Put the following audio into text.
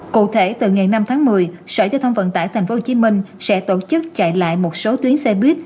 cụ thể từ ngày năm tháng một mươi sở giao thông vận tải tp hcm sẽ tổ chức chạy lại một số tuyến xe buýt